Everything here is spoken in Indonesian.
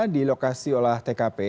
di lokasi olah tkp